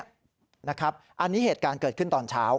อันนี้เหตุการณ์เกิดขึ้นตอนเช้า